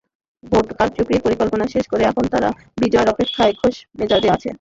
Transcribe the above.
Vote কারচুপির পরিকল্পনা শেষ করে এখন তাঁরা বিজয়ের অপেক্ষায় খোশমেজাজে আছেন।